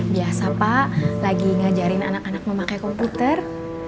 biasa pak lagi ngajarin anak anak memakai komputer